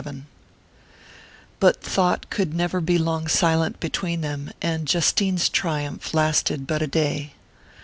XXXVII BUT thought could never be long silent between them; and Justine's triumph lasted but a day.